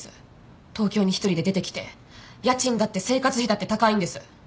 東京に１人で出てきて家賃だって生活費だって高いんです。